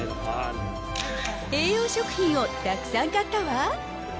栄養食品をたくさん買ったわ。